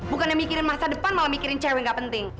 bukannya mikirin masa depan malah mikirin cewek gak penting